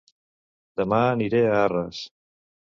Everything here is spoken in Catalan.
Dema aniré a Arres